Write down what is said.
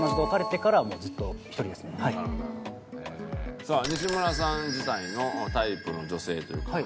さあ西村さん自体のタイプの女性というか。